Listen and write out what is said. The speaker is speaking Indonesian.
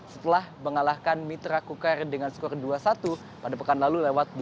setelah mengalahkan mitra kukar dengan skor dua satu pada pekan lalu lewat dua belas